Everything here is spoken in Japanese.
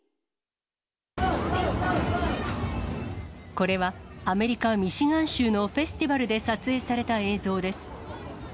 これは、アメリカ・ミシガン州のフェステバルで撮影された映像です。